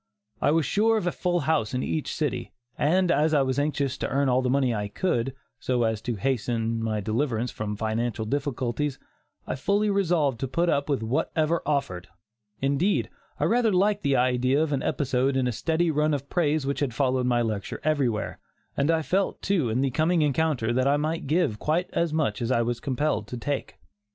I was sure of a full house in each city, and as I was anxious to earn all the money I could, so as to hasten my deliverance from financial difficulties, I fully resolved to put up with whatever offered indeed, I rather liked the idea of an episode in the steady run of praise which had followed my lecture everywhere, and I felt, too, in the coming encounter that I might give quite as much as I was compelled to take.